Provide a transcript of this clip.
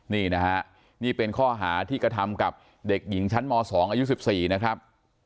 นี่นะฮะนี่เป็นข้อหาที่กระทำกับเด็กหญิงชั้นม๒อายุ๑๔นะครับ